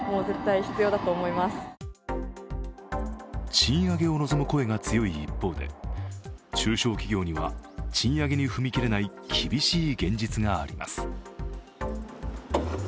賃上げを望む声が強い一方で中小企業には賃上げに踏み切れない厳しい現実があります。